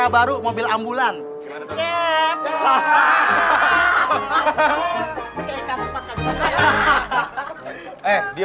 eh diam lo ya